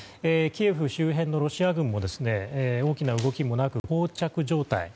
キエフ周辺のロシア軍も大きな動きもなく膠着状態